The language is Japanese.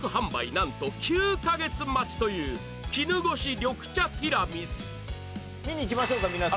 なんと９カ月待ちという絹ごし緑茶てぃらみす見に行きましょうか皆さん。